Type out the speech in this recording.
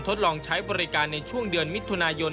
ทดลองใช้บริการในช่วงเดือนมิถุนายน